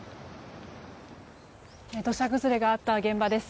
土砂崩れがあった現場です。